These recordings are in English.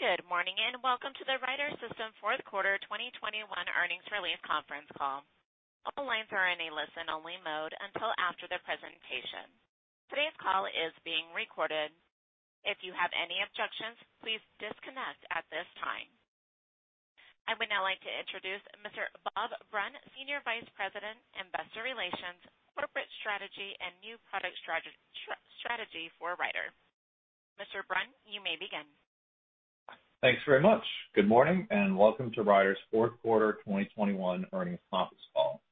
Good morning, and welcome to the Ryder System Q4 2021 earnings release conference call. All lines are in a listen-only mode until after the presentation. Today's call is being recorded. If you have any objections, please disconnect at this time. I would now like to introduce Mr. Bob Brunn, Senior Vice President, Investor Relations, Corporate Strategy and New Product Strategy for Ryder. Mr. Brunn, you may begin. Thanks very much. Good morning, and welcome to Ryder's Q4 2021 earnings conference call.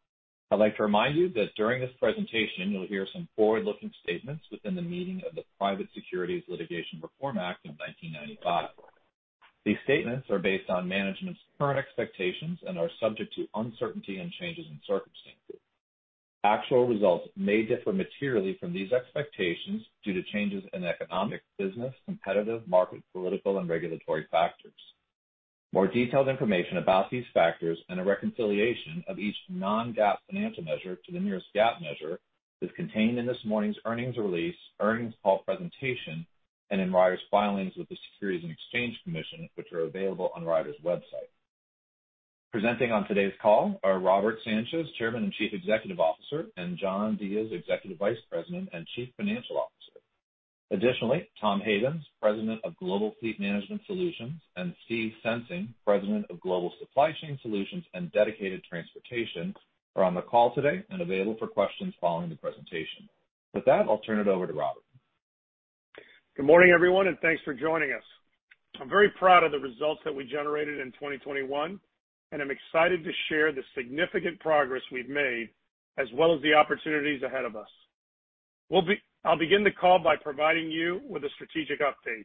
I'd like to remind you that during this presentation, you'll hear some forward-looking statements within the meaning of the Private Securities Litigation Reform Act of 1995. These statements are based on management's current expectations and are subject to uncertainty and changes in circumstances. Actual results may differ materially from these expectations due to changes in economic, business, competitive, market, political, and regulatory factors. More detailed information about these factors and a reconciliation of each non-GAAP financial measure to the nearest GAAP measure is contained in this morning's earnings release, earnings call presentation, and in Ryder's filings with the Securities and Exchange Commission, which are available on Ryder's website. Presenting on today's call are Robert Sanchez, Chairman and Chief Executive Officer, and John Diez, Executive Vice President and Chief Financial Officer. Additionally, Tom Havens, President of Global Fleet Management Solutions, and Steve Sensing, President of Global Supply Chain Solutions and Dedicated Transportation, are on the call today and available for questions following the presentation. With that, I'll turn it over to Robert Sanchez. Good morning, everyone, and thanks for joining us. I'm very proud of the results that we generated in 2021, and I'm excited to share the significant progress we've made, as well as the opportunities ahead of us. I'll begin the call by providing you with a strategic update.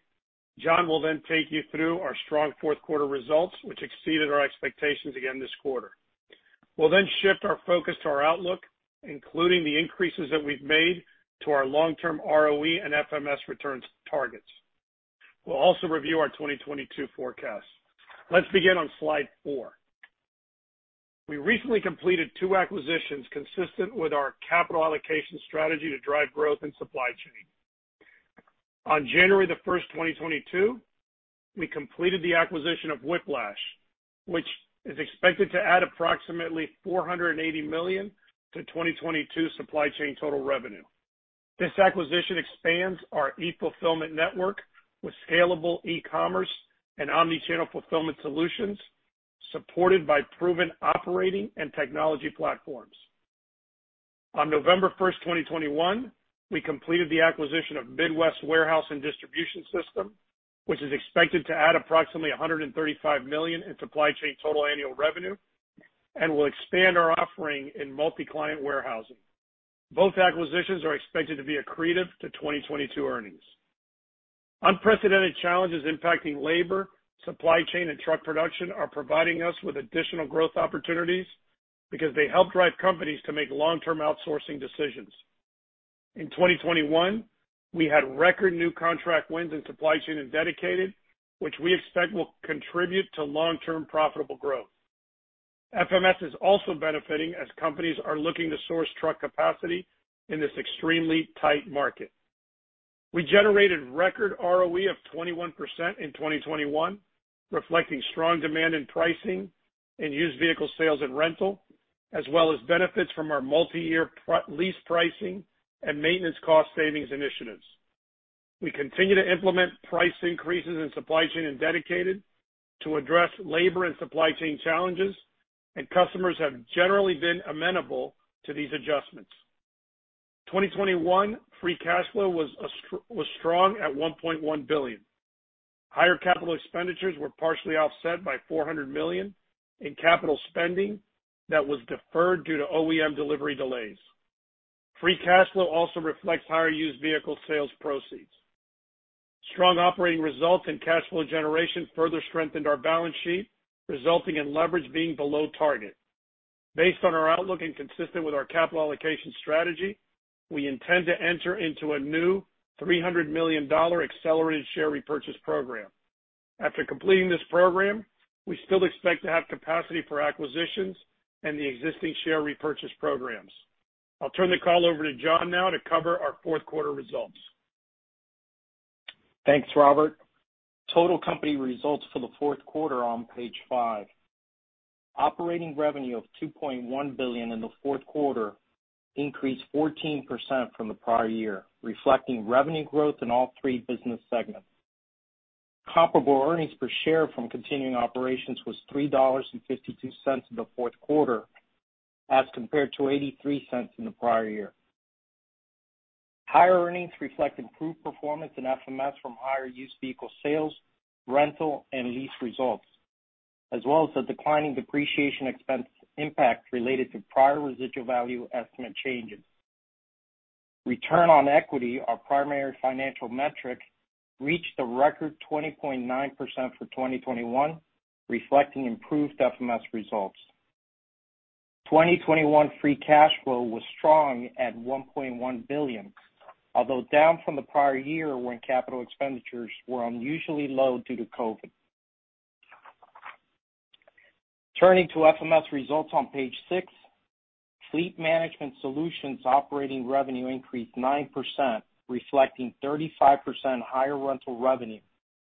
John will then take you through our strong Q4 results, which exceeded our expectations again this quarter. We'll then shift our focus to our outlook, including the increases that we've made to our long-term ROE and FMS returns targets. We'll also review our 2022 forecast. Let's begin on slide 4. We recently completed two acquisitions consistent with our capital allocation strategy to drive growth in Supply Chain. On January 1st, 2022, we completed the acquisition of Whiplash, which is expected to add approximately $480 million to 2022 Supply Chain total revenue. This acquisition expands our e-fulfillment network with scalable e-commerce and omni-channel fulfillment solutions, supported by proven operating and technology platforms. On November 1st, 2021, we completed the acquisition of Midwest Warehouse & Distribution System, which is expected to add approximately $135 million in supply chain total annual revenue and will expand our offering in multi-client warehousing. Both acquisitions are expected to be accretive to 2022 earnings. Unprecedented challenges impacting labor, supply chain, and truck production are providing us with additional growth opportunities because they help drive companies to make long-term outsourcing decisions. In 2021, we had record new contract wins in supply chain and dedicated, which we expect will contribute to long-term profitable growth. FMS is also benefiting as companies are looking to source truck capacity in this extremely tight market. We generated record ROE of 21% in 2021, reflecting strong demand in pricing, in used vehicle sales and rental, as well as benefits from our multi-year lease pricing and maintenance cost savings initiatives. We continue to implement price increases in supply chain and dedicated to address labor and supply chain challenges, and customers have generally been amenable to these adjustments. 2021 free cash flow was strong at $1.1 billion. Higher capital expenditures were partially offset by $400 million in capital spending that was deferred due to OEM delivery delays. Free cash flow also reflects higher used vehicle sales proceeds. Strong operating results and cash flow generation further strengthened our balance sheet, resulting in leverage being below target. Based on our outlook and consistent with our capital allocation strategy, we intend to enter into a new $300 million accelerated share repurchase program. After completing this program, we still expect to have capacity for acquisitions and the existing share repurchase programs. I'll turn the call over to John now to cover our Q4 results. Thanks, Robert. Total company results for the Q4 are on page five. Operating revenue of $2.1 billion in the Q4 increased 14% from the prior year, reflecting revenue growth in all three business segments. Comparable earnings per share from continuing operations was $3.52 in the Q4, as compared to $0.83 in the prior year. Higher earnings reflect improved performance in FMS from higher used vehicle sales, rental, and lease results, as well as the declining depreciation expense impact related to prior residual value estimate changes. Return on equity, our primary financial metric, reached a record 20.9% for 2021, reflecting improved FMS results. 2021 free cash flow was strong at $1.1 billion, although down from the prior year when capital expenditures were unusually low due to COVID. Turning to FMS results on page six. Fleet Management Solutions operating revenue increased 9%, reflecting 35% higher rental revenue,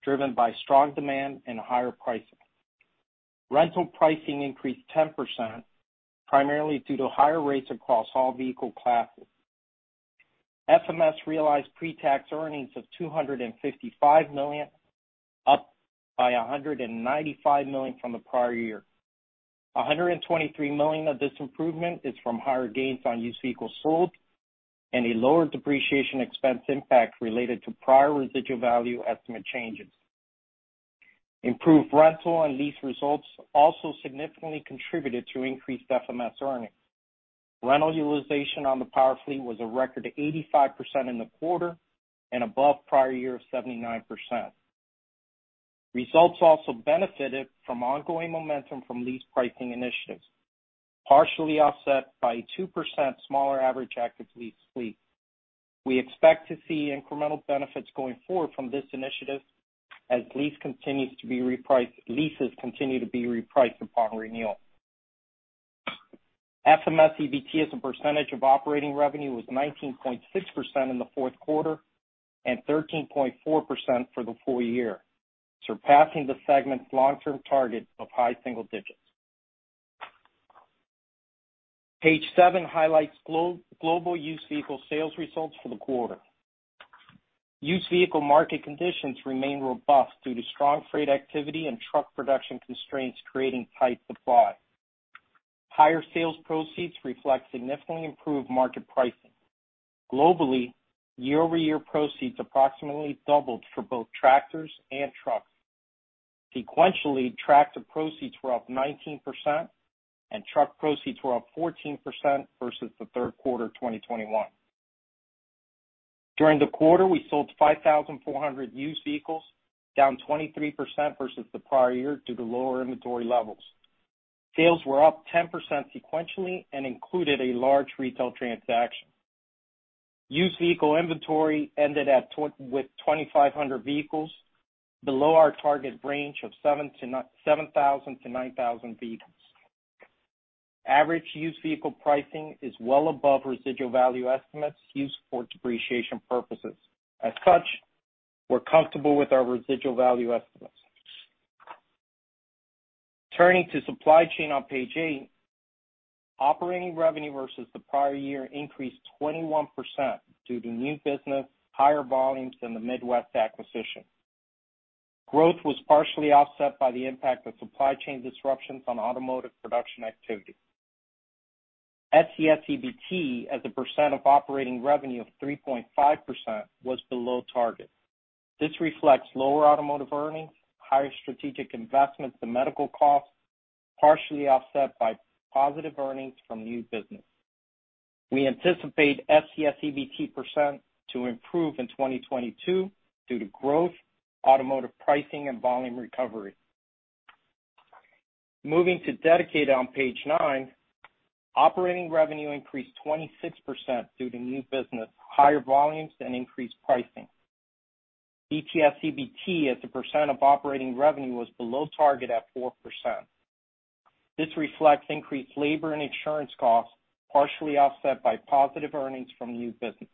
driven by strong demand and higher pricing. Rental pricing increased 10%, primarily due to higher rates across all vehicle classes. FMS realized pre-tax earnings of $255 million, up by $195 million from the prior year. $123 million of this improvement is from higher gains on used vehicles sold and a lower depreciation expense impact related to prior residual value estimate changes. Improved rental and lease results also significantly contributed to increased FMS earnings. Rental utilization on the power fleet was a record 85% in the quarter and above prior year of 79%. Results also benefited from ongoing momentum from lease pricing initiatives, partially offset by 2% smaller average active lease fleet. We expect to see incremental benefits going forward from this initiative as leases continue to be repriced upon renewal. FMS EBT as a percentage of operating revenue was 19.6% in the Q4 and 13.4% for the full year, surpassing the segment's long-term target of high single digits. Page seven highlights global used vehicle sales results for the quarter. Used vehicle market conditions remain robust due to strong freight activity and truck production constraints creating tight supply. Higher sales proceeds reflect significantly improved market pricing. Globally, year-over-year proceeds approximately doubled for both tractors and trucks. Sequentially, tractor proceeds were up 19% and truck proceeds were up 14% versus the Q3 of 2021. During the quarter, we sold 5,400 used vehicles, down 23% versus the prior year due to lower inventory levels. Sales were up 10% sequentially and included a large retail transaction. Used vehicle inventory ended with 2,500 vehicles below our target range of 7,000-9,000 vehicles. Average used vehicle pricing is well above residual value estimates used for depreciation purposes. As such, we're comfortable with our residual value estimates. Turning to supply chain on page eight, operating revenue versus the prior year increased 21% due to new business, higher volumes in the Midwest Warehouse & Distribution System. Growth was partially offset by the impact of supply chain disruptions on automotive production activity. SCS EBT as a percent of operating revenue of 3.5% was below target. This reflects lower automotive earnings, higher strategic investments and medical costs, partially offset by positive earnings from new business. We anticipate SCS EBT percent to improve in 2022 due to growth, automotive pricing and volume recovery. Moving to Dedicated on page nine, operating revenue increased 26% due to new business, higher volumes and increased pricing. DTS EBT as a percent of operating revenue was below target at 4%. This reflects increased labor and insurance costs, partially offset by positive earnings from new business.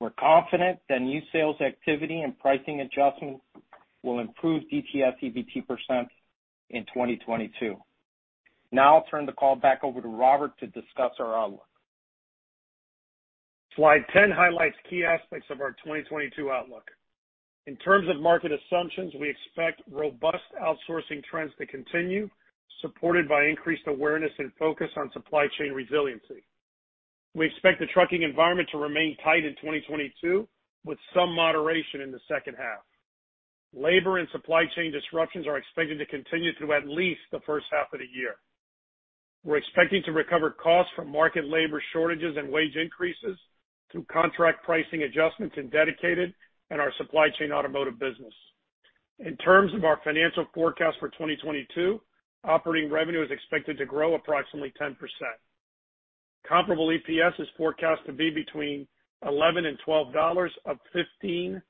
We're confident that new sales activity and pricing adjustments will improve DTS EBT percent in 2022. Now I'll turn the call back over to Robert to discuss our outlook. Slide 10 highlights key aspects of our 2022 outlook. In terms of market assumptions, we expect robust outsourcing trends to continue, supported by increased awareness and focus on supply chain resiliency. We expect the trucking environment to remain tight in 2022, with some moderation in the H2. Labor and supply chain disruptions are expected to continue through at least the H1 of the year. We're expecting to recover costs from market labor shortages and wage increases through contract pricing adjustments in dedicated and our supply chain automotive business. In terms of our financial forecast for 2022, operating revenue is expected to grow approximately 10%. Comparable EPS is forecast to be between $11-$12, up 15%-25%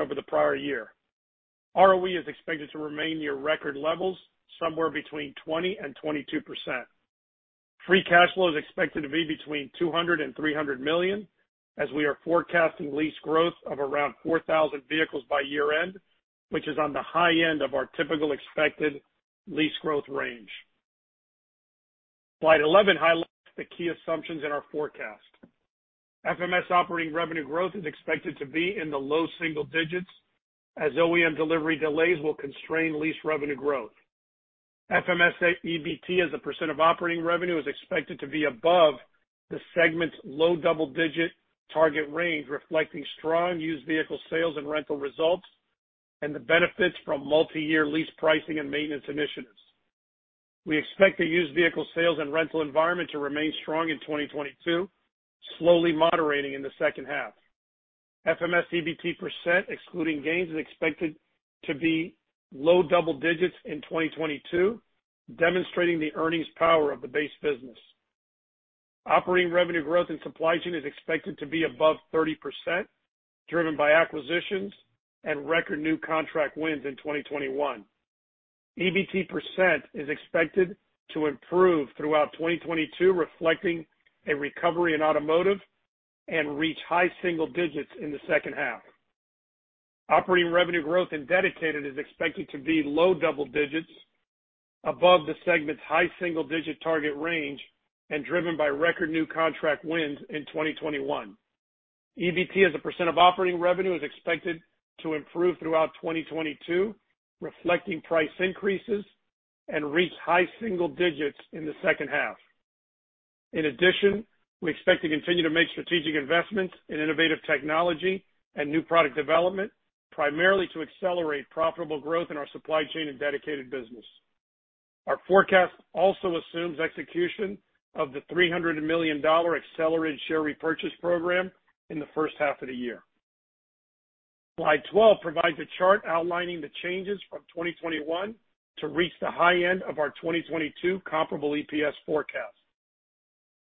over the prior year. ROE is expected to remain near record levels, somewhere between 20%-22%. Free cash flow is expected to be between $200 million and $300 million, as we are forecasting lease growth of around 4,000 vehicles by year-end, which is on the high end of our typical expected lease growth range. Slide 11 highlights the key assumptions in our forecast. FMS operating revenue growth is expected to be in the low single digits as OEM delivery delays will constrain lease revenue growth. FMS EBT as a percent of operating revenue is expected to be above the segment's low double-digit target range, reflecting strong used vehicle sales and rental results, and the benefits from multi-year lease pricing and maintenance initiatives. We expect the used vehicle sales and rental environment to remain strong in 2022, slowly moderating in the H2. FMS EBT percent excluding gains is expected to be low double digits in 2022, demonstrating the earnings power of the base business. Operating revenue growth in supply chain is expected to be above 30%, driven by acquisitions and record new contract wins in 2021. EBT percent is expected to improve throughout 2022, reflecting a recovery in automotive and reach high single digits in the H2. Operating revenue growth in dedicated is expected to be low double digits above the segment's high single-digit target range and driven by record new contract wins in 2021. EBT as a percent of operating revenue is expected to improve throughout 2022, reflecting price increases and reach high single digits in the H2. In addition, we expect to continue to make strategic investments in innovative technology and new product development, primarily to accelerate profitable growth in our Supply Chain and Dedicated business. Our forecast also assumes execution of the $300 million accelerated share repurchase program in the H1 of the year. Slide 12 provides a chart outlining the changes from 2021 to reach the high end of our 2022 comparable EPS forecast.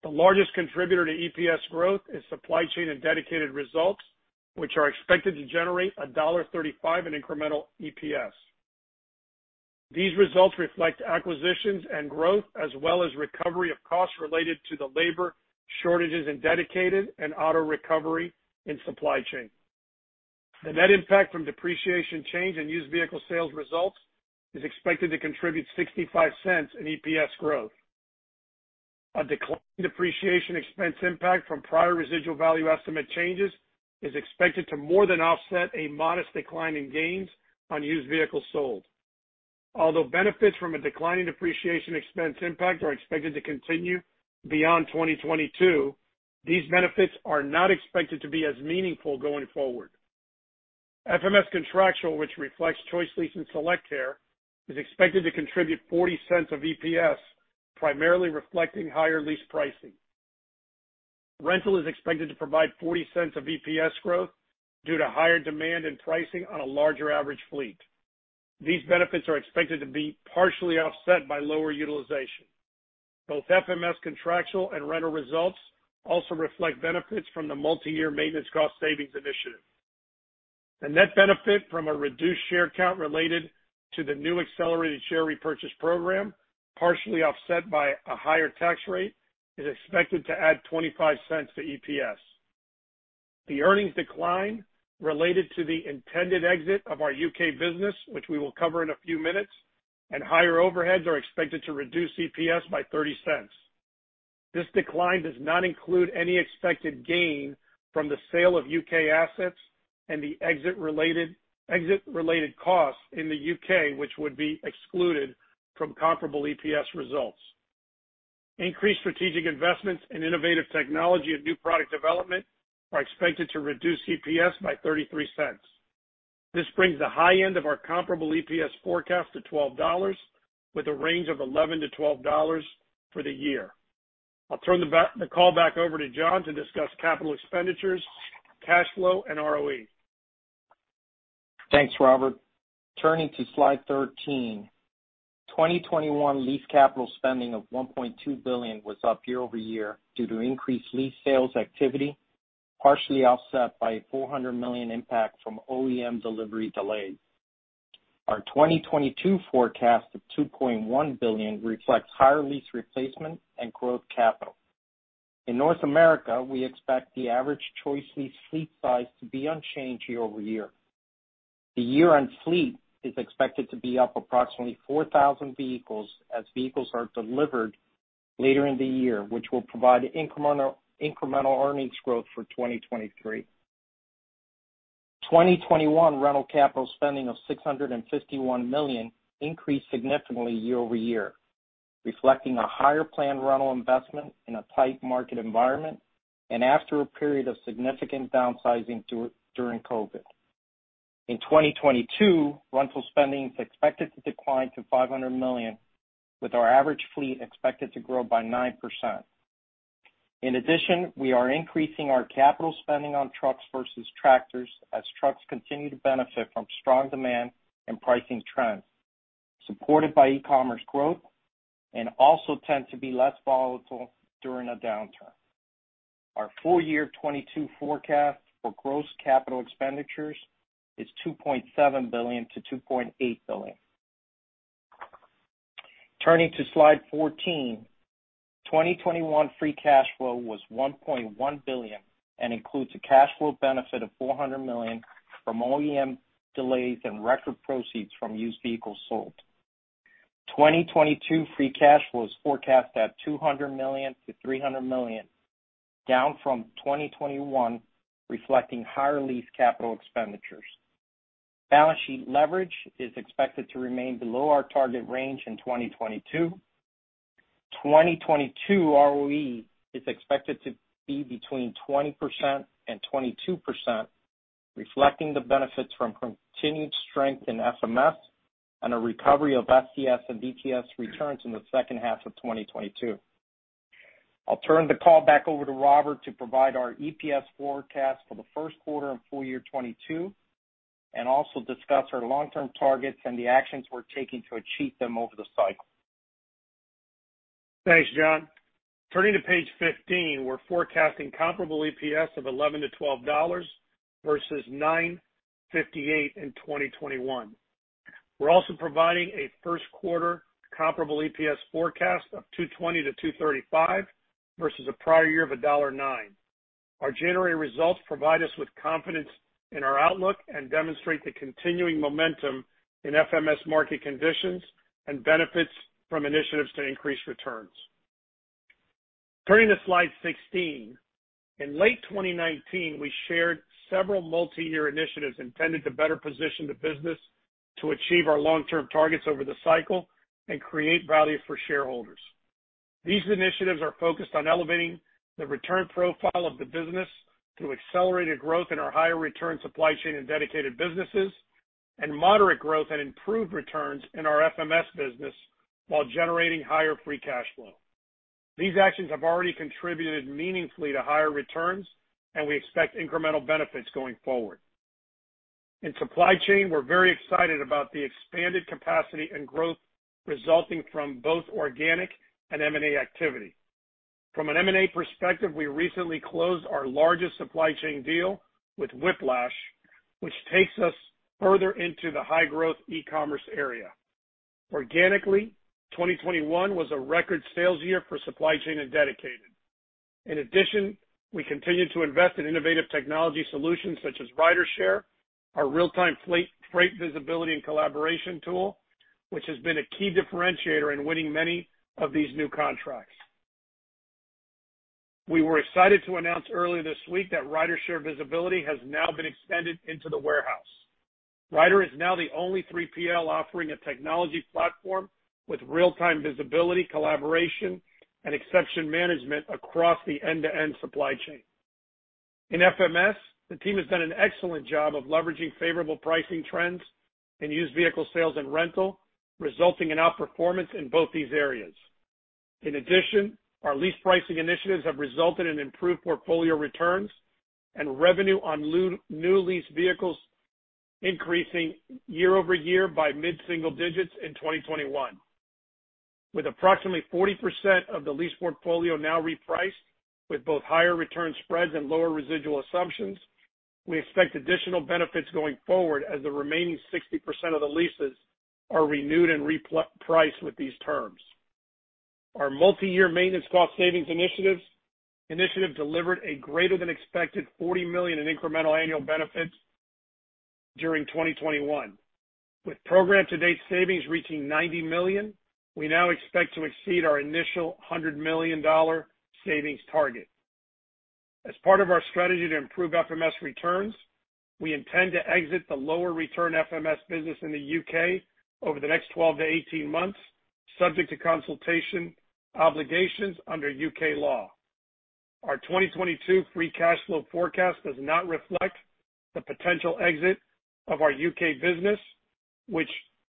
The largest contributor to EPS growth is Supply Chain and Dedicated results, which are expected to generate $1.35 in incremental EPS. These results reflect acquisitions and growth, as well as recovery of costs related to the labor shortages in Dedicated and auto recovery in Supply Chain. The net impact from depreciation change in used vehicle sales results is expected to contribute $0.65 in EPS growth. A decline in depreciation expense impact from prior residual value estimate changes is expected to more than offset a modest decline in gains on used vehicles sold. Although benefits from a declining depreciation expense impact are expected to continue beyond 2022, these benefits are not expected to be as meaningful going forward. FMS Contractual, which reflects ChoiceLease and SelectCare, is expected to contribute $0.40 of EPS, primarily reflecting higher lease pricing. Rental is expected to provide $0.40 of EPS growth due to higher demand and pricing on a larger average fleet. These benefits are expected to be partially offset by lower utilization. Both FMS Contractual and Rental results also reflect benefits from the multi-year maintenance cost savings initiative. The net benefit from a reduced share count related to the new accelerated share repurchase program, partially offset by a higher tax rate, is expected to add $0.25 to EPS. The earnings decline related to the intended exit of our U.K. business, which we will cover in a few minutes, and higher overhead are expected to reduce EPS by $0.30. This decline does not include any expected gain from the sale of U.K. assets and the exit related costs in the U.K., which would be excluded from comparable EPS results. Increased strategic investments in innovative technology and new product development are expected to reduce EPS by $0.33. This brings the high end of our comparable EPS forecast to $12, with a range of $11-$12 for the year. I'll turn the call back over to John to discuss capital expenditures, cash flow, and ROE. Thanks, Robert. Turning to slide 13. 2021 lease capital spending of $1.2 billion was up year-over-year due to increased lease sales activity, partially offset by $400 million impact from OEM delivery delays. Our 2022 forecast of $2.1 billion reflects higher lease replacement and growth capital. In North America, we expect the average ChoiceLease fleet size to be unchanged year-over-year. The year-end fleet is expected to be up approximately 4,000 vehicles as vehicles are delivered later in the year, which will provide incremental earnings growth for 2023. 2021 rental capital spending of $651 million increased significantly year-over-year, reflecting a higher planned rental investment in a tight market environment and after a period of significant downsizing during COVID. In 2022, rental spending is expected to decline to $500 million, with our average fleet expected to grow by 9%. In addition, we are increasing our capital spending on trucks versus tractors as trucks continue to benefit from strong demand and pricing trends supported by e-commerce growth and also tend to be less volatile during a downturn. Our full-year 2022 forecast for gross capital expenditures is $2.7 billion-$2.8 billion. Turning to slide 14. 2021 free cash flow was $1.1 billion and includes a cash flow benefit of $400 million from OEM delays and record proceeds from used vehicles sold. 2022 free cash flow is forecast at $200 million-$300 million, down from 2021, reflecting higher lease capital expenditures. Balance sheet leverage is expected to remain below our target range in 2022. 2022 ROE is expected to be between 20% and 22%, reflecting the benefits from continued strength in FMS and a recovery of SCS and DTS returns in the H2 of 2022. I'll turn the call back over to Robert to provide our EPS forecast for the Q1 and full year 2022. Also discuss our long-term targets and the actions we're taking to achieve them over the cycle. Thanks, John. Turning to page 15, we're forecasting comparable EPS of $11-$12 versus $9.58 in 2021. We're also providing a Q1 comparable EPS forecast of $2.20-$2.35 versus a prior year of $1.09. Our January results provide us with confidence in our outlook and demonstrate the continuing momentum in FMS market conditions and benefits from initiatives to increase returns. Turning to slide 16. In late 2019, we shared several multi-year initiatives intended to better position the business to achieve our long-term targets over the cycle and create value for shareholders. These initiatives are focused on elevating the return profile of the business through accelerated growth in our higher return supply chain and dedicated businesses, and moderate growth and improved returns in our FMS business while generating higher free cash flow. These actions have already contributed meaningfully to higher returns, and we expect incremental benefits going forward. In Supply Chain, we're very excited about the expanded capacity and growth resulting from both organic and M&A activity. From an M&A perspective, we recently closed our largest Supply Chain deal with Whiplash, which takes us further into the high-growth e-commerce area. Organically, 2021 was a record sales year for Supply Chain and Dedicated. In addition, we continued to invest in innovative technology solutions such as RyderShare, our real-time fleet-freight visibility and collaboration tool, which has been a key differentiator in winning many of these new contracts. We were excited to announce earlier this week that RyderShare visibility has now been extended into the warehouse. Ryder is now the only 3PL offering a technology platform with real-time visibility, collaboration, and exception management across the end-to-end supply chain. In FMS, the team has done an excellent job of leveraging favorable pricing trends in used vehicle sales and rental, resulting in outperformance in both these areas. In addition, our lease pricing initiatives have resulted in improved portfolio returns and revenue on new lease vehicles increasing year-over-year by mid-single digits in 2021. With approximately 40% of the lease portfolio now repriced with both higher return spreads and lower residual assumptions, we expect additional benefits going forward as the remaining 60% of the leases are renewed and repriced with these terms. Our multi-year maintenance cost savings initiative delivered a greater than expected $40 million in incremental annual benefits during 2021. With program-to-date savings reaching $90 million, we now expect to exceed our initial $100 million savings target. As part of our strategy to improve FMS returns, we intend to exit the lower return FMS business in the U.K. over the next 12-18 months, subject to consultation obligations under U.K. law. Our 2022 free cash flow forecast does not reflect the potential exit of our U.K. business, which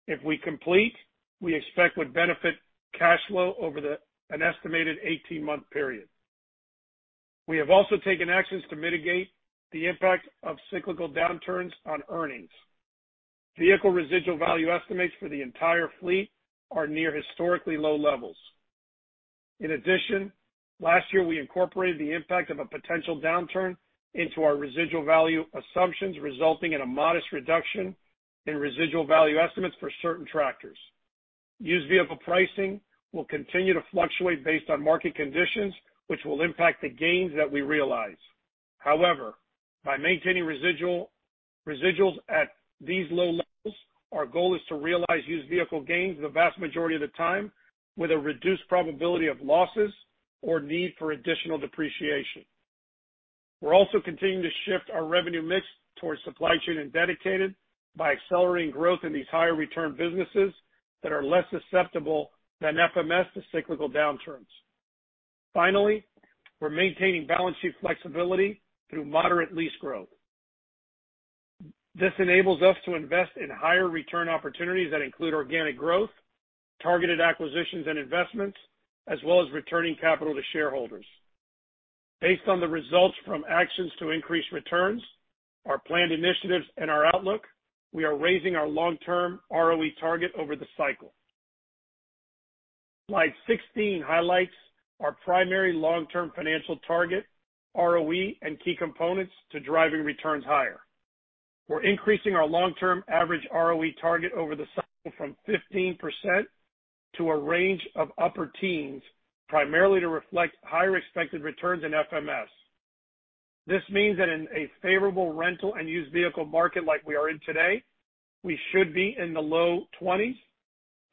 if we complete, we expect would benefit cash flow over an estimated 18-month period. We have also taken actions to mitigate the impact of cyclical downturns on earnings. Vehicle residual value estimates for the entire fleet are near historically low levels. In addition, last year, we incorporated the impact of a potential downturn into our residual value assumptions, resulting in a modest reduction in residual value estimates for certain tractors. Used vehicle pricing will continue to fluctuate based on market conditions, which will impact the gains that we realize. However, by maintaining residuals at these low levels, our goal is to realize used vehicle gains the vast majority of the time with a reduced probability of losses or need for additional depreciation. We're also continuing to shift our revenue mix towards supply chain and dedicated by accelerating growth in these higher return businesses that are less susceptible than FMS to cyclical downturns. Finally, we're maintaining balance sheet flexibility through moderate lease growth. This enables us to invest in higher return opportunities that include organic growth, targeted acquisitions, and investments, as well as returning capital to shareholders. Based on the results from actions to increase returns, our planned initiatives, and our outlook, we are raising our long-term ROE target over the cycle. Slide 16 highlights our primary long-term financial target, ROE, and key components to driving returns higher. We're increasing our long-term average ROE target over the cycle from 15% to a range of upper teens, primarily to reflect higher expected returns in FMS. This means that in a favorable rental and used vehicle market like we are in today, we should be in the low twenties,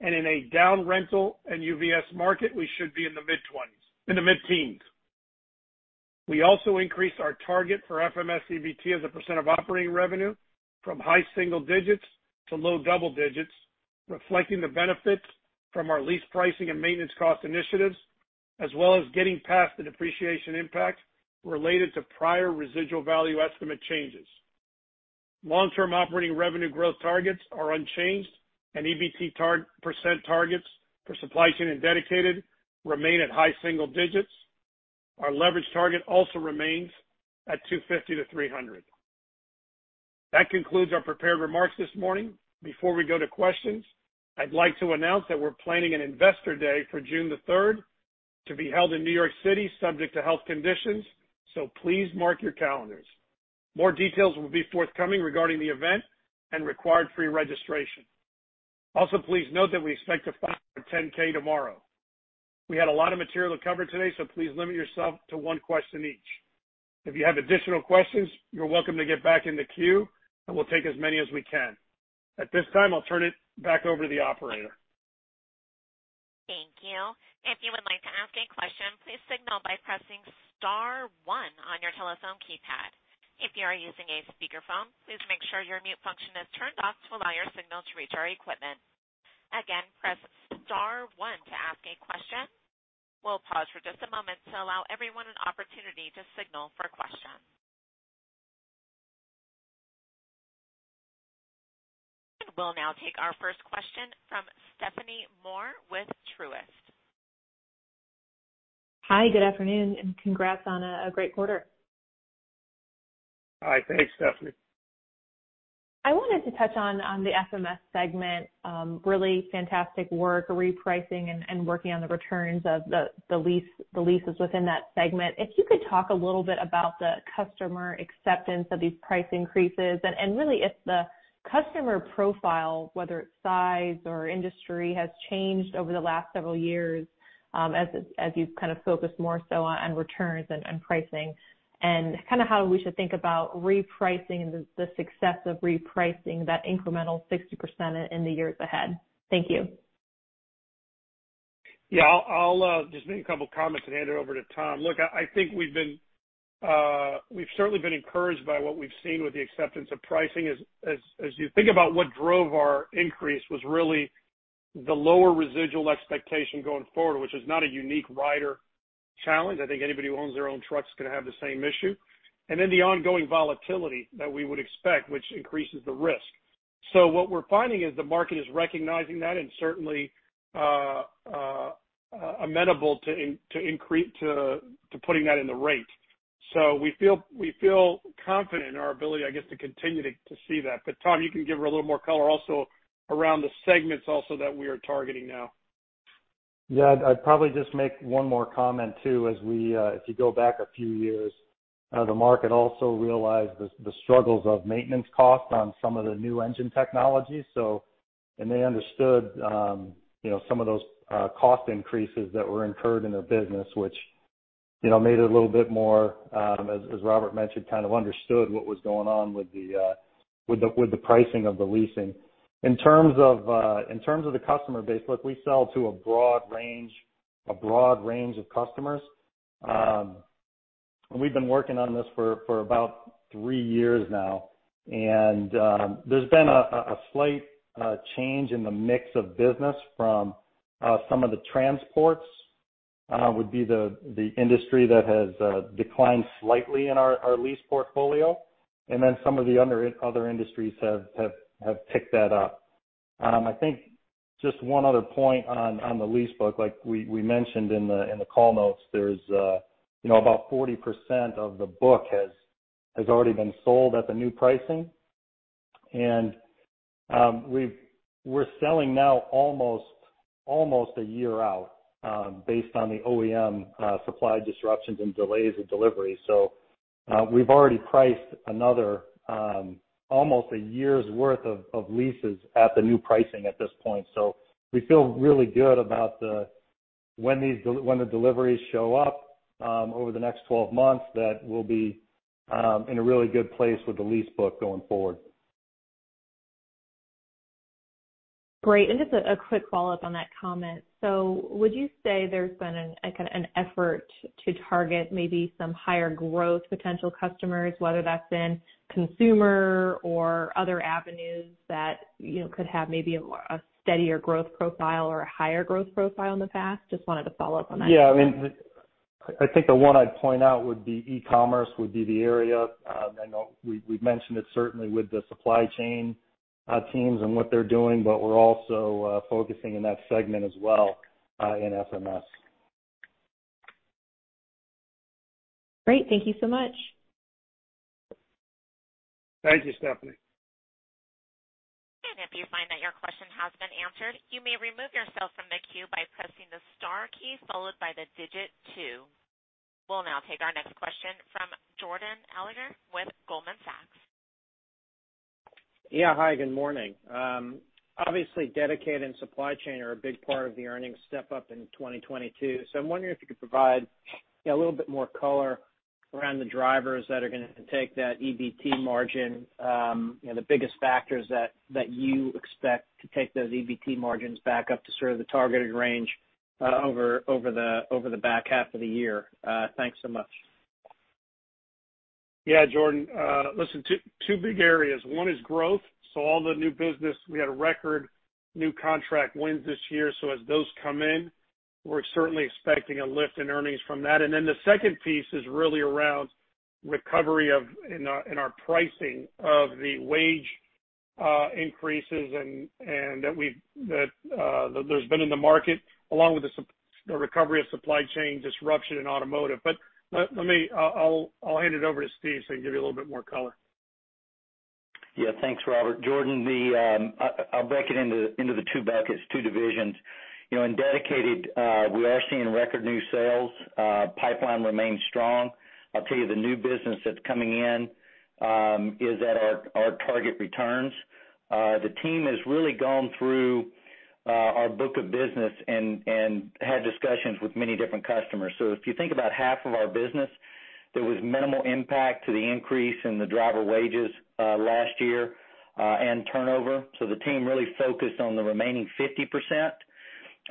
and in a down rental and UVS market, we should be in the mid-twenties, in the mid-teens. We also increased our target for FMS EBT as a percent of operating revenue from high single digits to low double digits, reflecting the benefits from our lease pricing and maintenance cost initiatives, as well as getting past the depreciation impact related to prior residual value estimate changes. Long-term operating revenue growth targets are unchanged, and EBT percent targets for Supply Chain and Dedicated remain at high single digits. Our leverage target also remains at 2.50-3.00. That concludes our prepared remarks this morning. Before we go to questions, I'd like to announce that we're planning an investor day for June 3rd, to be held in New York City, subject to health conditions, so please mark your calendars. More details will be forthcoming regarding the event and required free registration. Also, please note that we expect to file our 10-K tomorrow. We had a lot of material to cover today, so please limit yourself to one question each. If you have additional questions, you're welcome to get back in the queue, and we'll take as many as we can. At this time, I'll turn it back over to the operator. Thank you. If you would like to ask a question, please signal by pressing star one on your telephone keypad. If you are using a speakerphone, please make sure your mute function is turned off to allow your signal to reach our equipment. Again, press star one to ask a question. We'll pause for just a moment to allow everyone an opportunity to signal for questions. We'll now take our first question from Stephanie Moore with Truist. Hi, good afternoon, and congrats on a great quarter. Hi. Thanks, Stephanie. I wanted to touch on the FMS segment. Really fantastic work repricing and working on the returns of the leases within that segment. If you could talk a little bit about the customer acceptance of these price increases and really if the customer profile, whether it's size or industry, has changed over the last several years, as you've kind of focused more so on returns and pricing. Kinda how we should think about repricing, the success of repricing that incremental 60% in the years ahead. Thank you. Yeah. I'll just make a couple comments and hand it over to Tom. Look, I think we've certainly been encouraged by what we've seen with the acceptance of pricing. As you think about what drove our increase was really the lower residual expectation going forward, which is not a unique Ryder challenge. I think anybody who owns their own trucks is gonna have the same issue. Then the ongoing volatility that we would expect, which increases the risk. What we're finding is the market is recognizing that and certainly amenable to putting that in the rate. We feel confident in our ability, I guess, to continue to see that. Tom, you can give her a little more color around the segments that we are targeting now. Yeah. I'd probably just make one more comment too. As we, if you go back a few years, the market also realized the struggles of maintenance costs on some of the new engine technologies. They understood, you know, some of those cost increases that were incurred in their business, which, you know, made it a little bit more, as Robert mentioned, kind of understood what was going on with the pricing of the leasing. In terms of the customer base, look, we sell to a broad range of customers. We've been working on this for about three years now. There's been a slight change in the mix of business from some of the transport industries that has declined slightly in our lease portfolio, and then some of the other industries have picked that up. I think just one other point on the lease book, like we mentioned in the call notes, there's you know, about 40% of the book has already been sold at the new pricing. We're selling now almost a year out based on the OEM supply disruptions and delays of delivery. We've already priced another almost a year's worth of leases at the new pricing at this point. We feel really good about when the deliveries show up, over the next 12 months, that we'll be in a really good place with the lease book going forward. Great. Just a quick follow-up on that comment. Would you say there's been an, like, an effort to target maybe some higher growth potential customers, whether that's in consumer or other avenues that, you know, could have maybe a steadier growth profile or a higher growth profile in the past? Just wanted to follow up on that. Yeah. I mean, I think the one I'd point out would be e-commerce, the area. I know we've mentioned it certainly with the supply chain teams and what they're doing, but we're also focusing in that segment as well, in FMS. Great. Thank you so much. Thank you, Stephanie. If you find that your question has been answered, you may remove yourself from the queue by pressing the star key followed by the digit two. We'll now take our next question from Jordan Alliger with Goldman Sachs. Yeah. Hi, good morning. Obviously Dedicated and Supply Chain are a big part of the earnings step-up in 2022. I'm wondering if you could provide, you know, a little bit more color around the drivers that are gonna take that EBT margin, you know, the biggest factors that you expect to take those EBT margins back up to sort of the targeted range over the back half of the year. Thanks so much. Yeah, Jordan. Listen, two big areas. One is growth. All the new business, we had record new contract wins this year. As those come in, we're certainly expecting a lift in earnings from that. The second piece is really around recovery in our pricing of the wage increases and that there's been in the market, along with the recovery of supply chain disruption in automotive. Let me. I'll hand it over to Steve so he can give you a little bit more color. Yeah. Thanks, Robert. Jordan, I'll break it into the two buckets, two divisions. You know, in dedicated, we are seeing record new sales. Pipeline remains strong. I'll tell you, the new business that's coming in is at our target returns. The team has really gone through our book of business and had discussions with many different customers. If you think about half of our business, there was minimal impact to the increase in the driver wages last year and turnover, so the team really focused on the remaining 50%.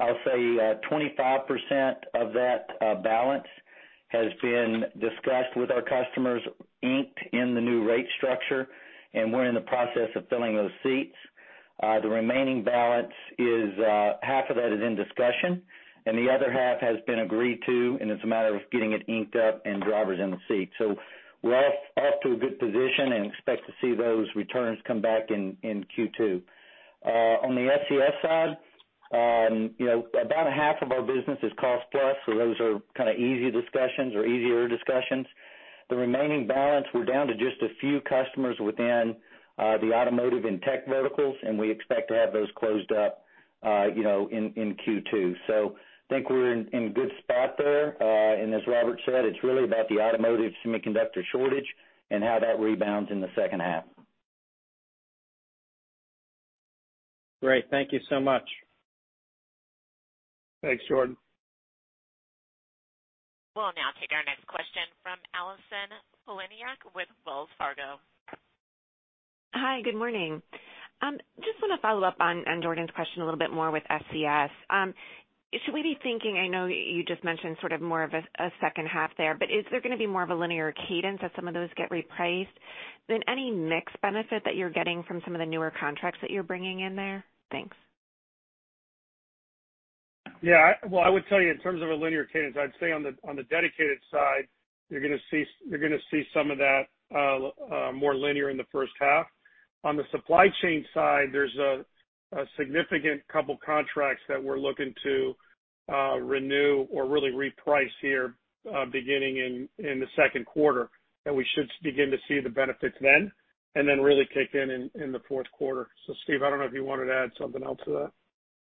I'll say, 25% of that balance has been discussed with our customers, inked in the new rate structure, and we're in the process of filling those seats. The remaining balance is half of that is in discussion, and the other half has been agreed to, and it's a matter of getting it inked up and drivers in the seat. We're off to a good position and expect to see those returns come back in Q2. On the SCS side, you know, about half of our business is cost plus, so those are kinda easy discussions or easier discussions. The remaining balance, we're down to just a few customers within the automotive and tech verticals, and we expect to have those closed up, you know, in Q2. Think we're in good spot there. As Robert said, it's really about the automotive semiconductor shortage and how that rebounds in the H2. Great. Thank you so much. Thanks, Jordan. We'll now take our next question from Allison Poliniak-Cusic with Wells Fargo. Hi. Good morning. Just wanna follow up on Jordan's question a little bit more with SCS. Should we be thinking? I know you just mentioned sort of more of a H2 there, but is there gonna be more of a linear cadence as some of those get repriced? Then any mix benefit that you're getting from some of the newer contracts that you're bringing in there? Thanks. Yeah. Well, I would tell you in terms of a linear cadence, I'd say on the dedicated side, you're gonna see some of that more linear in the H1. On the supply chain side, there's a significant couple contracts that we're looking to renew or really reprice here beginning in the Q2, and we should begin to see the benefits then, and then really kick in in the Q4. Steve, I don't know if you wanted to add something else to that.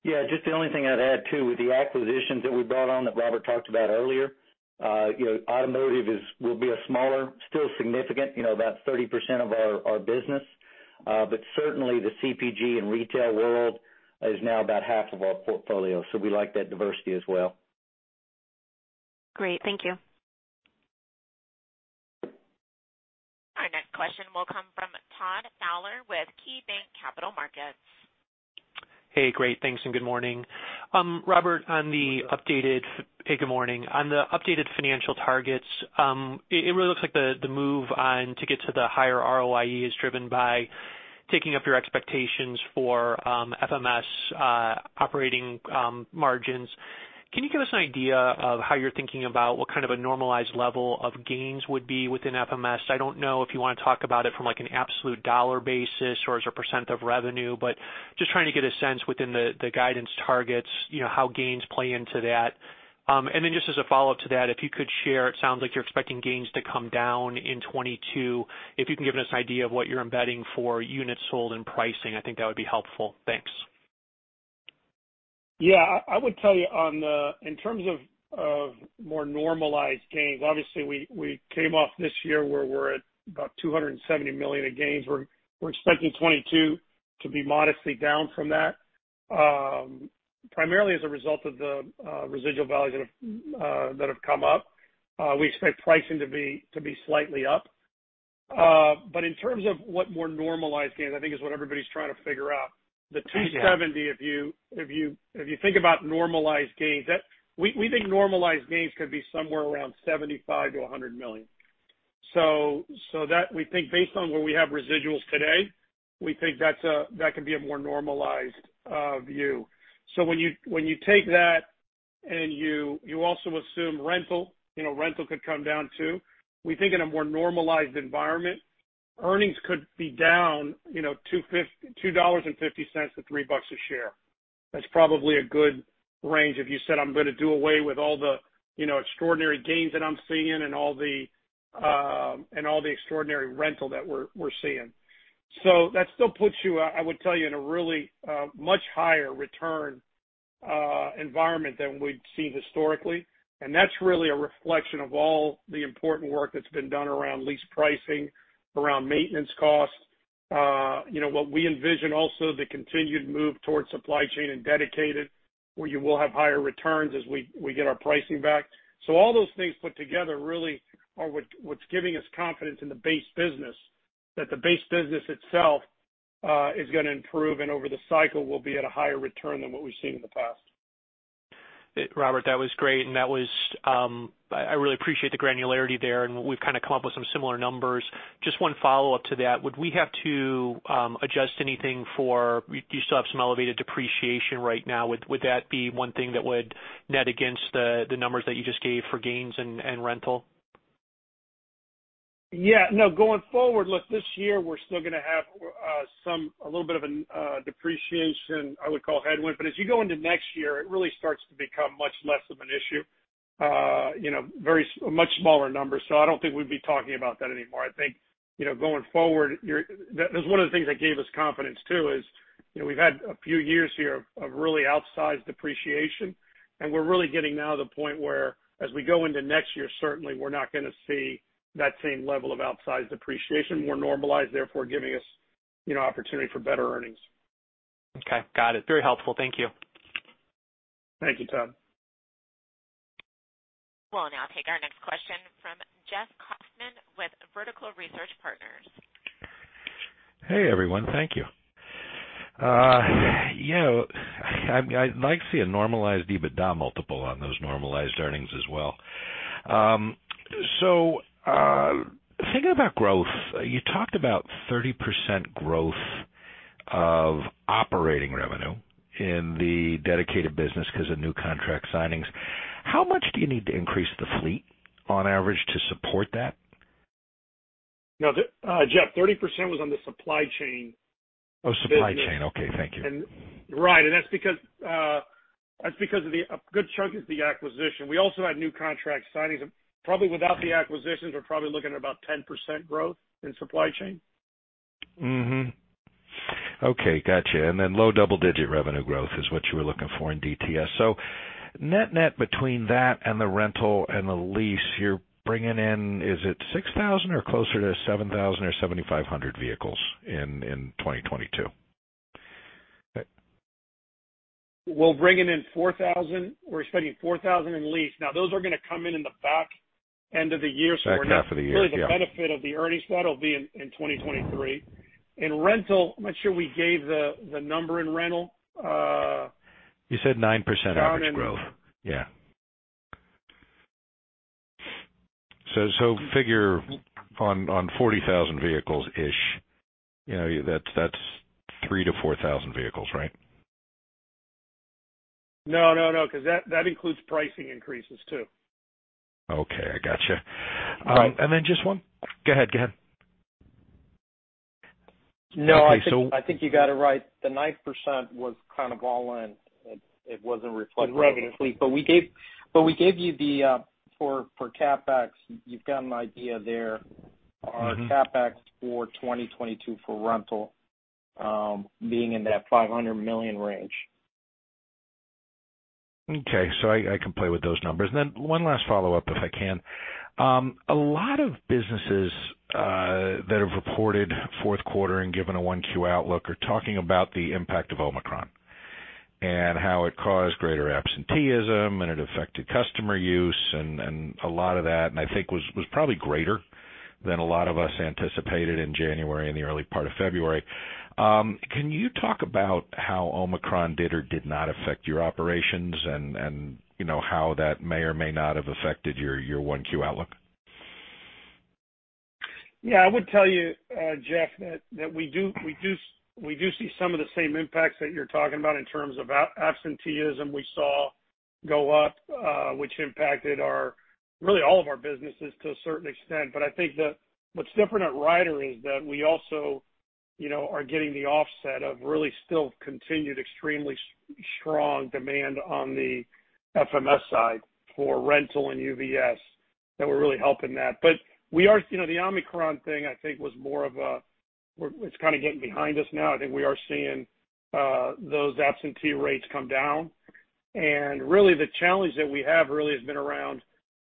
Yeah. Just the only thing I'd add, too, with the acquisitions that we brought on that Robert talked about earlier, you know, automotive will be a smaller, still significant, you know, about 30% of our business. But certainly the CPG and retail world is now about half of our portfolio, so we like that diversity as well. Great. Thank you. Our next question will come from Todd Fowler with KeyBanc Capital Markets. Hey, great. Thanks, and good morning. Robert, on the updated. Hey, good morning. On the updated financial targets, it really looks like the move on to get to the higher ROE is driven by taking up your expectations for FMS operating margins. Can you give us an idea of how you're thinking about what kind of a normalized level of gains would be within FMS? I don't know if you wanna talk about it from, like, an absolute dollar basis or as a percent of revenue, but just trying to get a sense within the guidance targets, you know, how gains play into that. Just as a follow-up to that, if you could share, it sounds like you're expecting gains to come down in 2022. If you can give us an idea of what you're embedding for units sold and pricing, I think that would be helpful. Thanks. Yeah. I would tell you in terms of more normalized gains, obviously we came off this year where we're at about $270 million of gains. We're expecting 2022 to be modestly down from that, primarily as a result of the residual values that have come up. We expect pricing to be slightly up. But in terms of what more normalized gains, I think is what everybody's trying to figure out. Yeah. The $270, if you think about normalized gains. We think normalized gains could be somewhere around $75 million-$100 million. So that, we think based on where we have residuals today, we think that could be a more normalized view. So when you take that and you also assume rental, you know, rental could come down, too. We think in a more normalized environment, earnings could be down, you know, $2.50-$3 a share. That's probably a good range if you said, "I'm gonna do away with all the, you know, extraordinary gains that I'm seeing and all the extraordinary rental that we're seeing. That still puts you, I would tell you, in a really much higher return environment than we'd seen historically, and that's really a reflection of all the important work that's been done around lease pricing, around maintenance costs. You know, what we envision also the continued move towards supply chain and dedicated, where you will have higher returns as we get our pricing back. All those things put together really are what's giving us confidence in the base business, that the base business itself is gonna improve and over the cycle will be at a higher return than what we've seen in the past. Robert, that was great, and I really appreciate the granularity there, and we've kind of come up with some similar numbers. Just one follow-up to that. You still have some elevated depreciation right now. Would that be one thing that would net against the numbers that you just gave for gains and rental? Yeah. No, going forward, look, this year we're still going to have some. A little bit of an depreciation, I would call headwind. As you go into next year, it really starts to become much less of an issue. You know, very a much smaller number. I don't think we'd be talking about that anymore. I think, you know, going forward, that's one of the things that gave us confidence too, is, you know, we've had a few years here of really outsized depreciation, and we're really getting now to the point where as we go into next year, certainly we're not going to see that same level of outsized depreciation. More normalized, therefore, giving us, you know, opportunity for better earnings. Okay, got it. Very helpful. Thank you. Thank you, Todd. We'll now take our next question from Jeff Kauffman with Vertical Research Partners. Hey, everyone. Thank you. You know, I'd like to see a normalized EBITDA multiple on those normalized earnings as well. Thinking about growth, you talked about 30% growth of operating revenue in the dedicated business because of new contract signings. How much do you need to increase the fleet on average to support that? No, Jeff, 30% was on the supply chain business. Oh, supply chain. Okay, thank you. Right. That's because a good chunk is the acquisition. We also had new contract signings. Probably without the acquisitions, we're probably looking at about 10% growth in supply chain. Okay. Gotcha. Low double-digit revenue growth is what you were looking for in DTS. Net net between that and the rental and the lease you're bringing in, is it 6,000 or closer to 7,000 or 7,500 vehicles in 2022? We're bringing in $4,000. We're expecting $4,000 in lease. Now, those are going to come in in the back end of the year. Back half of the year, yeah. We're not really the benefit of the earnings, that'll be in 2023. In rental, I'm not sure we gave the number in rental. You said 9% average growth. Yeah. Figure on 40,000 vehicles-ish, you know, that's 3,000-4,000 vehicles, right? No, because that includes pricing increases too. Okay. I got you. Right. Go ahead. No, I think you got it right. The 9% was kind of all in. It wasn't reflective of the fleet. We gave you the for CapEx, you've got an idea there. Mm-hmm. Our CapEx for 2022 for rental being in that $500 million range. Okay. I can play with those numbers. One last follow-up, if I can. A lot of businesses that have reported Q4 and given a 1Q outlook are talking about the impact of Omicron and how it caused greater absenteeism, and it affected customer use and a lot of that, and I think was probably greater than a lot of us anticipated in January and the early part of February. Can you talk about how Omicron did or did not affect your operations and you know, how that may or may not have affected your 1Q outlook? Yeah, I would tell you, Jeff, that we do see some of the same impacts that you're talking about in terms of absenteeism we saw go up, which impacted our, really all of our businesses to a certain extent. I think that what's different at Ryder is that we also, you know, are getting the offset of really still continued extremely strong demand on the FMS side for rental and UVS that we're really helping that. You know, the Omicron thing, I think was more of a, it's kind of getting behind us now. I think we are seeing those absentee rates come down. Really the challenge that we have really has been around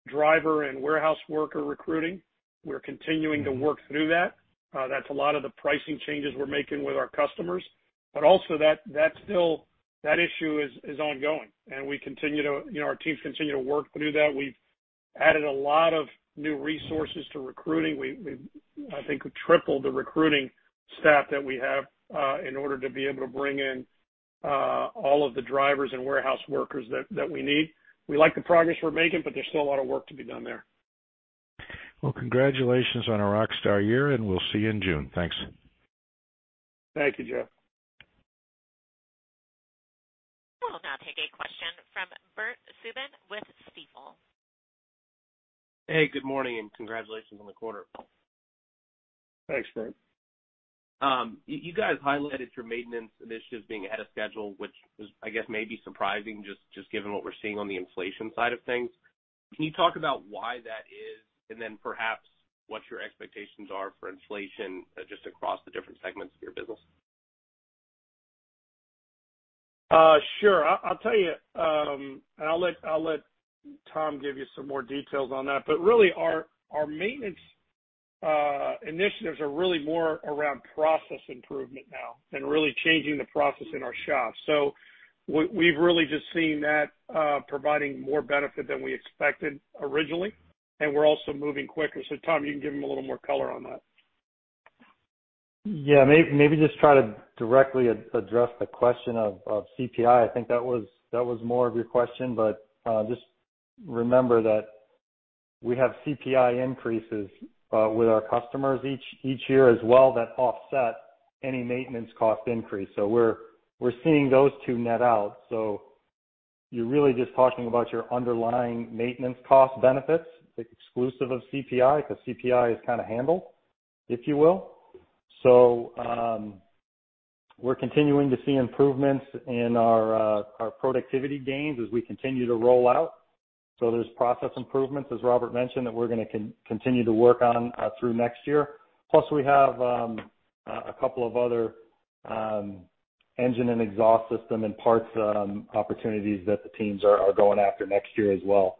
driver and warehouse worker recruiting. We're continuing to work through that. That's a lot of the pricing changes we're making with our customers, but also that. That's still an issue that's ongoing, and our teams continue to work through that. You know, our teams continue to work through that. We've added a lot of new resources to recruiting. I think we've tripled the recruiting staff that we have in order to be able to bring in all of the drivers and warehouse workers that we need. We like the progress we're making, but there's still a lot of work to be done there. Well, congratulations on a rock star year, and we'll see you in June. Thanks. Thank you, Jeff. We'll now take a question from Bert Subin with Stifel. Hey, good morning, and congratulations on the quarter. Thanks, Bert. You guys highlighted your maintenance initiatives being ahead of schedule, which is, I guess, maybe surprising just given what we're seeing on the inflation side of things. Can you talk about why that is and then perhaps what your expectations are for inflation just across the different segments of your business? Sure. I'll tell you, and I'll let Tom give you some more details on that. Really our maintenance initiatives are really more around process improvement now and really changing the process in our shops. We've really just seen that providing more benefit than we expected originally, and we're also moving quicker. Tom, you can give him a little more color on that. Yeah. Maybe just try to directly address the question of CPI. I think that was more of your question. Just remember that we have CPI increases with our customers each year as well that offset any maintenance cost increase. We're seeing those two net out. You're really just talking about your underlying maintenance cost benefits exclusive of CPI, because CPI is kind of handled, if you will. We're continuing to see improvements in our productivity gains as we continue to roll out. There's process improvements, as Robert mentioned, that we're gonna continue to work on through next year. Plus, we have a couple of other engine and exhaust system and parts opportunities that the teams are going after next year as well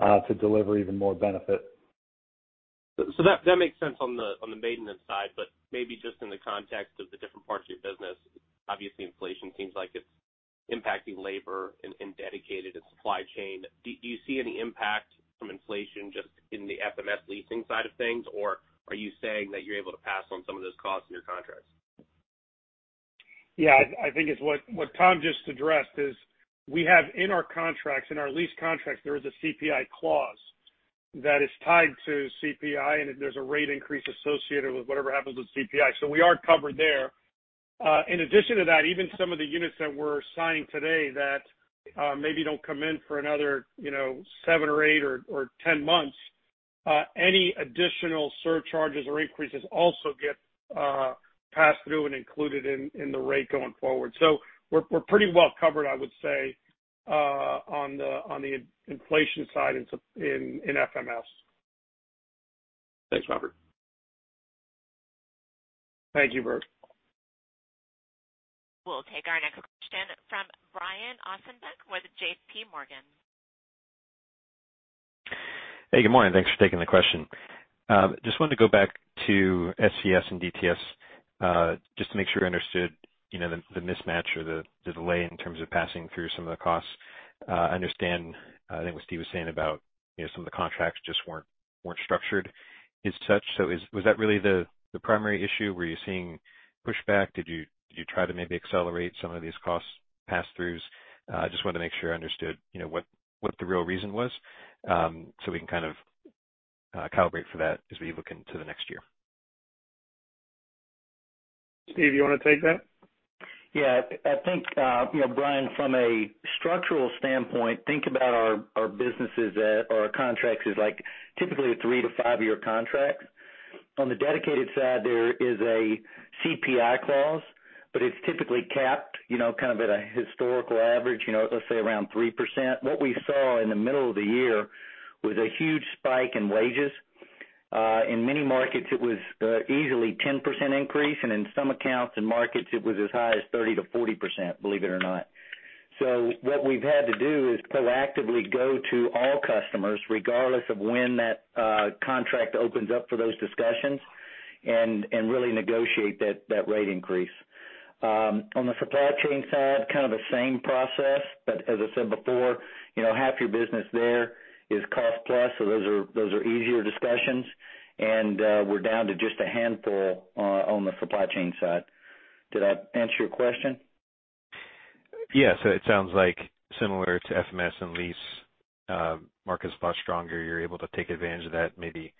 to deliver even more benefit. That makes sense on the maintenance side, but maybe just in the context of the different parts of your business, obviously inflation seems like it's impacting labor in dedicated and supply chain. Do you see any impact from inflation just in the FMS leasing side of things? Or are you saying that you're able to pass on some of those costs in your contracts? Yeah. I think it's what Tom just addressed, is we have in our contracts, in our lease contracts, there is a CPI clause that is tied to CPI, and there's a rate increase associated with whatever happens with CPI. We are covered there. In addition to that, even some of the units that we're signing today that maybe don't come in for another, you know, seven or eight or 10 months, any additional surcharges or increases also get passed through and included in the rate going forward. We're pretty well covered, I would say, on the inflation side in FMS. Thanks, Robert. Thank you, Bert. We'll take our next question from Brian Ossenbeck with JPMorgan. Hey, good morning. Thanks for taking the question. Just wanted to go back to SCS and DTS, just to make sure I understood, you know, the mismatch or the delay in terms of passing through some of the costs. I understand, I think what Steve was saying about, you know, some of the contracts just weren't structured as such. Was that really the primary issue? Were you seeing pushback? Did you try to maybe accelerate some of these costs pass-throughs? Just wanted to make sure I understood, you know, what the real reason was, so we can kind of calibrate for that as we look into the next year. Steve, you want to take that? Yeah. I think, you know, Brian, from a structural standpoint, think about our businesses or our contracts as like typically a three- to five-year contract. On the dedicated side, there is a CPI clause, but it's typically capped, you know, kind of at a historical average, you know, let's say around 3%. What we saw in the middle of the year was a huge spike in wages. In many markets, it was easily 10% increase, and in some accounts and markets it was as high as 30%-40%, believe it or not. What we've had to do is proactively go to all customers, regardless of when that contract opens up for those discussions and really negotiate that rate increase. On the supply chain side, kind of the same process, but as I said before, you know, half your business there is cost plus, so those are easier discussions. We're down to just a handful on the supply chain side. Did that answer your question? Yes. It sounds like similar to FMS and lease, market's much stronger. You're able to take advantage of that, maybe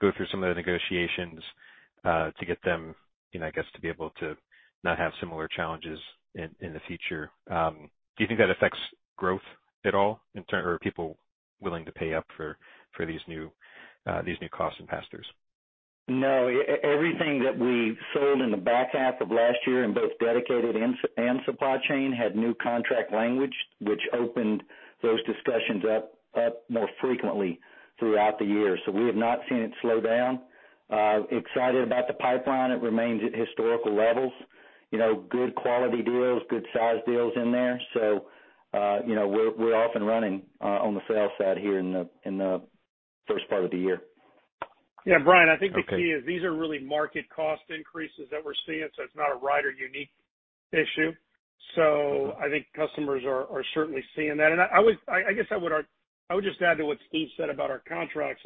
go through some of the negotiations, to get them, you know, I guess, to be able to not have similar challenges in the future. Do you think that affects growth at all or are people willing to pay up for these new cost and pass-throughs? No, everything that we sold in the back half of last year in both dedicated and supply chain had new contract language, which opened those discussions up more frequently throughout the year. We have not seen it slow down. We're excited about the pipeline. It remains at historical levels. You know, good quality deals, good sized deals in there. You know, we're off and running on the sales side here in the first part of the year. Yeah, Brian, I think the key is these are really market cost increases that we're seeing, so it's not a Ryder unique issue. I think customers are certainly seeing that. I guess I would just add to what Steve said about our contracts.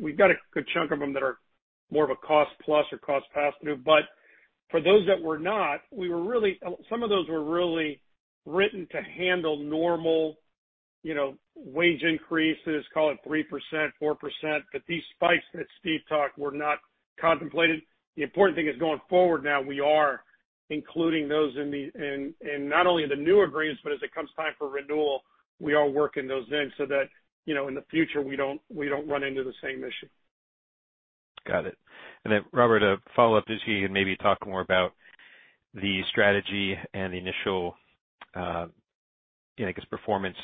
We've got a good chunk of them that are more of a cost plus or cost pass through. But for those that were not, some of those were really written to handle normal, you know, wage increases, call it 3%, 4%. But these spikes that Steve talked were not contemplated. The important thing is going forward now we are including those in not only the new agreements, but as it comes time for renewal, we are working those in so that, you know, in the future, we don't run into the same issue. Got it. Robert, a follow-up to Steve and maybe talk more about the strategy and the initial, I guess, performance,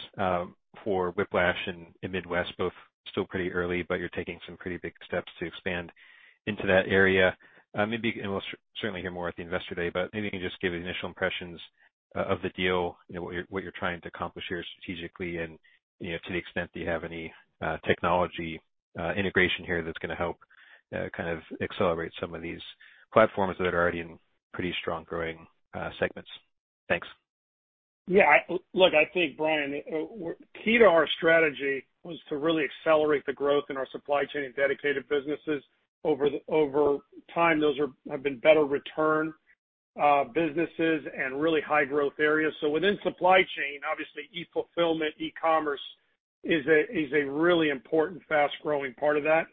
for Whiplash and Midwest, both still pretty early, but you're taking some pretty big steps to expand into that area. Maybe, and we'll certainly hear more at the Investor Day, but maybe you can just give initial impressions of the deal, you know, what you're trying to accomplish here strategically and, you know, to the extent that you have any, technology integration here that's gonna help, kind of accelerate some of these platforms that are already in pretty strong growing segments. Thanks. Yeah. Look, I think, Brian, key to our strategy was to really accelerate the growth in our supply chain and dedicated businesses. Over time, those have been better return businesses and really high growth areas. Within supply chain, obviously e-fulfillment, e-commerce is a really important fast-growing part of that.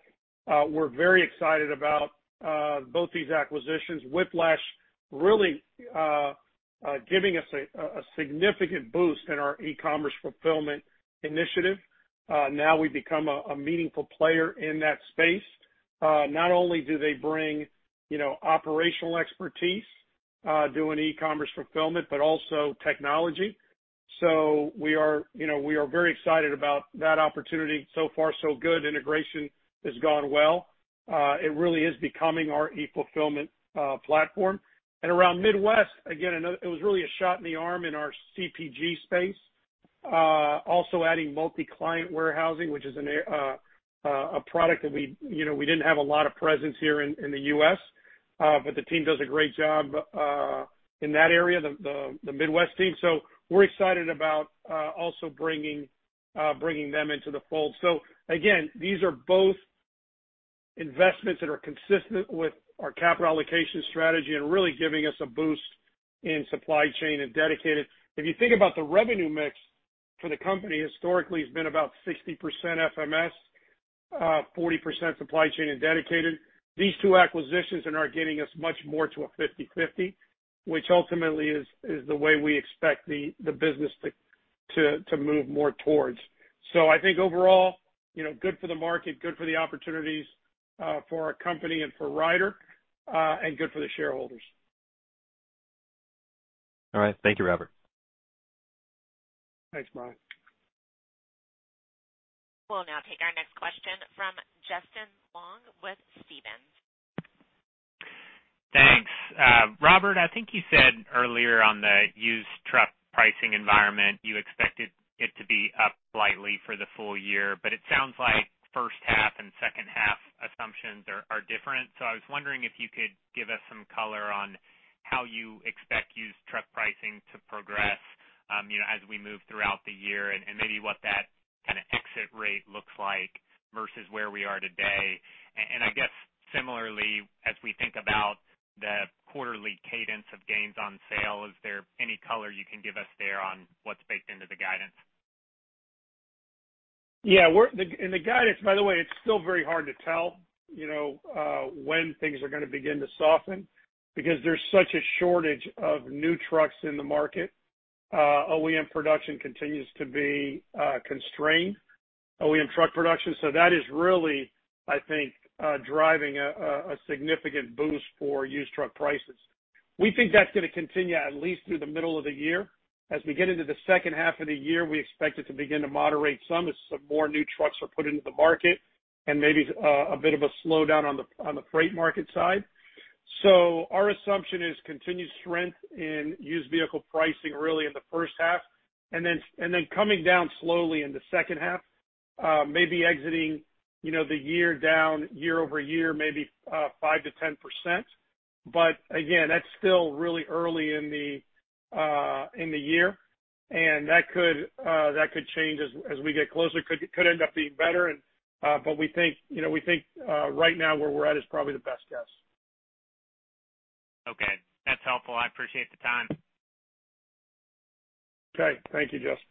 We're very excited about both these acquisitions. Whiplash really giving us a significant boost in our e-commerce fulfillment initiative. Now we become a meaningful player in that space. Not only do they bring, you know, operational expertise doing e-commerce fulfillment, but also technology. We are, you know, very excited about that opportunity. So far, so good. Integration has gone well. It really is becoming our e-fulfillment platform. Around Midwest, again, it was really a shot in the arm in our CPG space. Also adding multi-client warehousing, which is a product that we, you know, we didn't have a lot of presence here in the U.S., but the team does a great job in that area, the Midwest team. We're excited about also bringing them into the fold. Again, these are both investments that are consistent with our capital allocation strategy and really giving us a boost in supply chain and dedicated. If you think about the revenue mix for the company historically has been about 60% FMS, 40% supply chain and dedicated. These two acquisitions and are getting us much more to a 50/50, which ultimately is the way we expect the business to move more towards. I think overall, you know, good for the market, good for the opportunities, for our company and for Ryder, and good for the shareholders. All right. Thank you, Robert. Thanks, Brian. We'll now take our next question from Justin Long with Stephens. Thanks. Robert, I think you said earlier on the used truck pricing environment, you expected it to be up slightly for the full year, but it sounds like H1 and H2 assumptions are different. I was wondering if you could give us some color on how you expect used truck pricing to progress, you know, as we move throughout the year and maybe what that kinda exit rate looks like versus where we are today. I guess similarly, as we think about the quarterly cadence of gains on sale, is there any color you can give us there on what's baked into the guidance? The guidance, by the way, it's still very hard to tell, you know, when things are gonna begin to soften because there's such a shortage of new trucks in the market. OEM production continues to be constrained. OEM truck production. That is really, I think, driving a significant boost for used truck prices. We think that's gonna continue at least through the middle of the year. As we get into the H2 of the year, we expect it to begin to moderate some as some more new trucks are put into the market and maybe a bit of a slowdown on the freight market side. Our assumption is continued strength in used vehicle pricing really in the H1, and then coming down slowly in the H2, maybe exiting, you know, the year down year-over-year, maybe 5%-10%. Again, that's still really early in the year, and that could change as we get closer. Could end up being better and but we think, you know right now where we're at is probably the best guess. Okay. That's helpful. I appreciate the time. Okay. Thank you, Justin.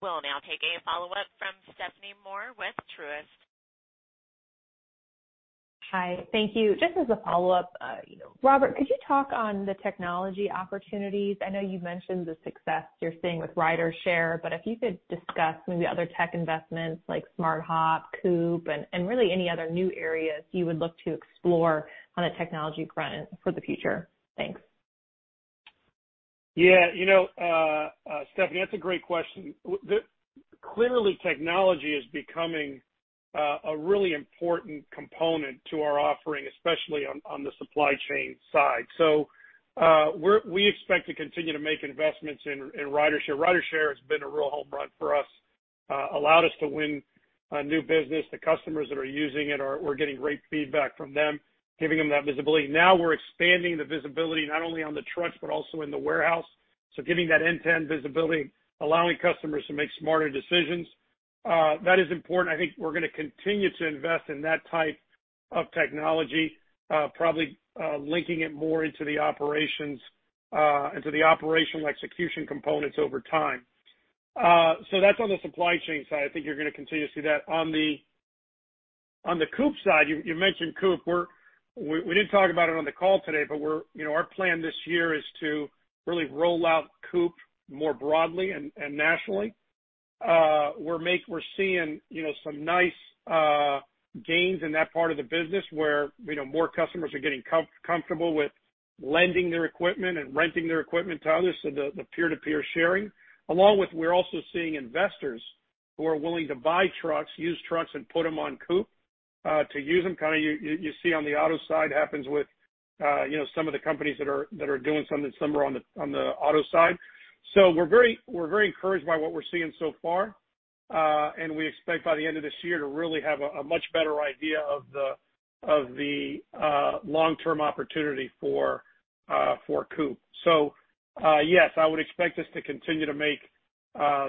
We'll now take a follow-up from Stephanie Moore with Truist. Hi. Thank you. Just as a follow-up, you know, Robert, could you talk on the technology opportunities? I know you mentioned the success you're seeing with RyderShare, but if you could discuss maybe other tech investments like SmartHop, COOP, and really any other new areas you would look to explore on a technology front for the future. Thanks. Yeah, you know, Stephanie, that's a great question. Clearly technology is becoming a really important component to our offering, especially on the supply chain side. We expect to continue to make investments in RyderShare. RyderShare has been a real home run for us, allowed us to win new business. The customers that are using it, we're getting great feedback from them, giving them that visibility. Now we're expanding the visibility not only on the trucks but also in the warehouse, so giving that end-to-end visibility, allowing customers to make smarter decisions. That is important. I think we're gonna continue to invest in that type of technology, probably linking it more into the operations, into the operational execution components over time. That's on the supply chain side. I think you're gonna continue to see that. On the COOP side, you mentioned COOP. We didn't talk about it on the call today, but we're, you know, our plan this year is to really roll out COOP more broadly and nationally. We're seeing, you know, some nice gains in that part of the business where, you know, more customers are getting comfortable with lending their equipment and renting their equipment to others, so the peer-to-peer sharing. Along with we're also seeing investors who are willing to buy trucks, used trucks, and put them on COOP to use them. Kinda you see on the auto side happens with, you know, some of the companies that are doing something similar on the auto side. We're very encouraged by what we're seeing so far, and we expect by the end of this year to really have a much better idea of the long-term opportunity for COOP. Yes, I would expect us to continue to make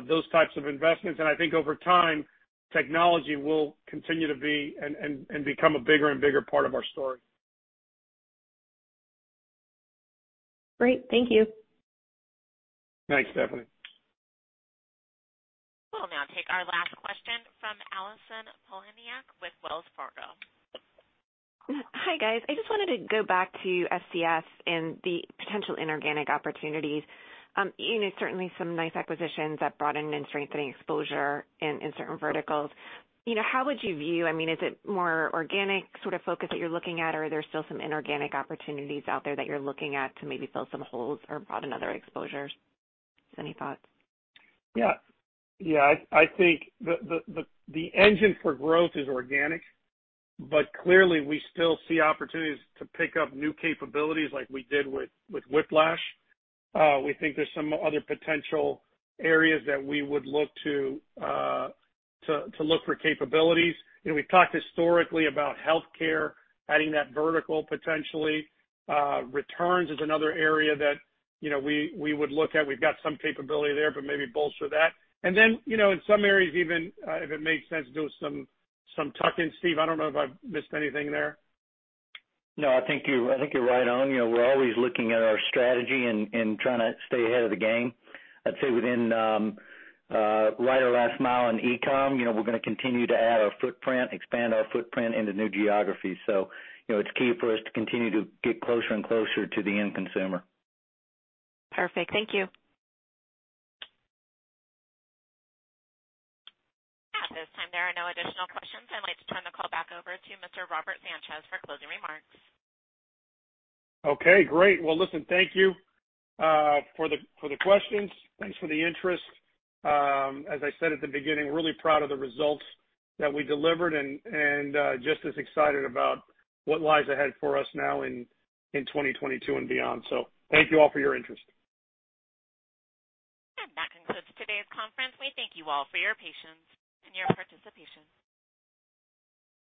those types of investments, and I think over time, technology will continue to be and become a bigger and bigger part of our story. Great. Thank you. Thanks, Stephanie. We'll now take our last question from Allison Poliniak with Wells Fargo. Hi, guys. I just wanted to go back to SCS and the potential inorganic opportunities. You know, certainly some nice acquisitions that broadened and strengthening exposure in certain verticals. You know, how would you view? I mean, is it more organic sort of focus that you're looking at? Or are there still some inorganic opportunities out there that you're looking at to maybe fill some holes or broaden other exposures? Just any thoughts. Yeah. I think the engine for growth is organic, but clearly we still see opportunities to pick up new capabilities like we did with Whiplash. We think there's some other potential areas that we would look to look for capabilities. You know, we've talked historically about healthcare, adding that vertical potentially. Returns is another area that, you know, we would look at. We've got some capability there, but maybe bolster that. Then, you know, in some areas, even if it makes sense, do some tuck-ins. Steve, I don't know if I've missed anything there. No, I think you're right on. You know, we're always looking at our strategy and trying to stay ahead of the game. I'd say within our last mile in e-com, you know, we're gonna continue to add our footprint, expand our footprint into new geographies. You know, it's key for us to continue to get closer and closer to the end consumer. Perfect. Thank you. At this time, there are no additional questions. I'd like to turn the call back over to Mr. Robert Sanchez for closing remarks. Okay, great. Well, listen, thank you for the questions. Thanks for the interest. As I said at the beginning, really proud of the results that we delivered and just as excited about what lies ahead for us now in 2022 and beyond. Thank you all for your interest. That concludes today's conference. We thank you all for your patience and your participation.